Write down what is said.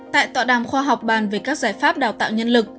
tại tọa đàm khoa học bàn về các giải pháp đào tạo nhân lực